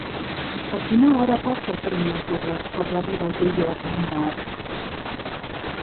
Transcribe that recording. A quina hora passa el primer autobús per la Vila Joiosa dimarts?